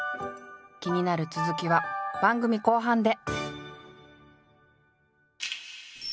気になる続きは番組後半で！